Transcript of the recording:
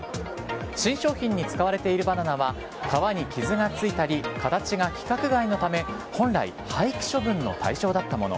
新商品に使われているバナナは皮に傷がついたり形が規格外のため本来、廃棄処分の対象だったもの。